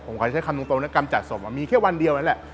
ผมขอใช้คำตรงนะกำจัดศพมีแค่วันเดียวนั่นแหละ